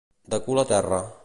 De cul a terra.